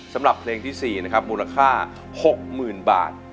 สำหรับเพลงที่๔นะครับมูลค่า๖๐๐๐บาท